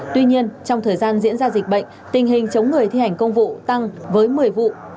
tuy nhiên trong thời gian diễn ra dịch bệnh tình hình chống người thi hành công vụ tăng với một mươi vụ